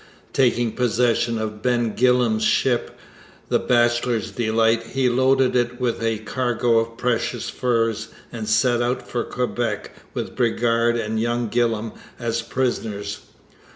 Taking possession of Ben Gillam's ship, the Bachelor's Delight, he loaded it with a cargo of precious furs, and set out for Quebec with Bridgar and young Gillam as prisoners.